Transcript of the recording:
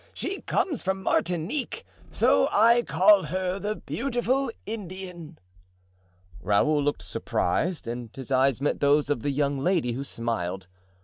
She comes from Martinique, so I call her the beautiful Indian." Raoul looked surprised and his eyes met those of the young lady, who smiled.